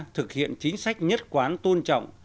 thực hiện chính sách nhất quán tôn trọng